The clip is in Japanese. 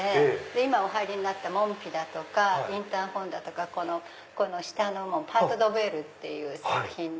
今お入りになった門扉だとかインターホンだとかこの下のもパート・ド・ヴェール作品で。